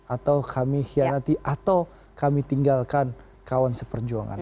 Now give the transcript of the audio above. atau kami hianati atau kami tinggalkan kawan seperjuangan